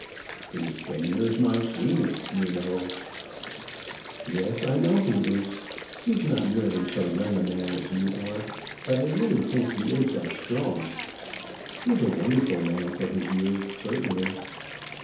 "He's ten years my senior, you know." "Yes, I know he is. He's not nearly so young a man as you are; but I really think he is as strong. He's a wonderful man for his years, certainly."